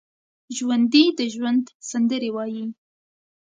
ژوندي د ژوند سندرې وايي